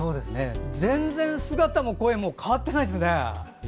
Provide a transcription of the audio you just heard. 全然、姿も声も変わってないですね。